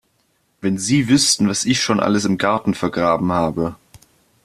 Wenn Sie wüssten, was ich schon alles im Garten vergraben habe!